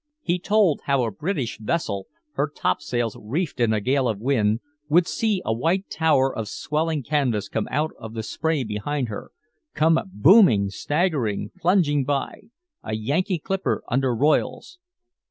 He told how a British vessel, her topsails reefed in a gale of wind, would see a white tower of swelling canvas come out of the spray behind her, come booming, staggering, plunging by a Yankee clipper under royals.